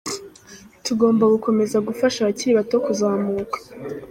Tugomba gukomeza gufasha abakiri bato kuzamuka.